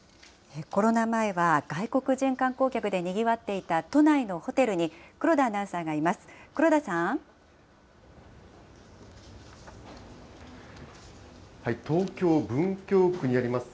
コロナ前は外国人観光客でにぎわっていた都内のホテルに、黒田アナウンサーがいます。